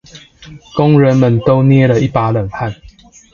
工人們都捏了一把冷汗